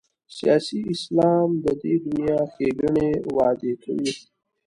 سیاسي اسلام د دې دنیا ښېګڼې وعدې کوي.